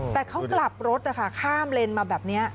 แต่เขากลับรถนะคะข้ามเลนมาแบบนี้